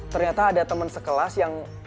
ternyata ada teman sekelas yang